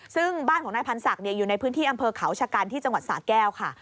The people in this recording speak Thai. ซึ่งบ้านของนายพันศักดิ์อยู่ในพื้นที่อำเภอเขาชะกันที่จังหวัดสาแก้วค่ะ